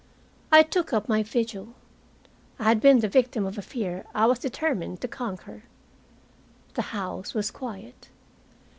I took up my vigil. I had been the victim of a fear I was determined to conquer. The house was quiet.